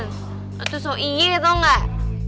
lo tuh so easy tau gak